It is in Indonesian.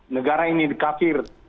negara ini kafir